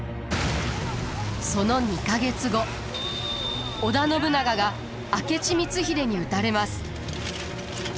その２か月後織田信長が明智光秀に討たれます。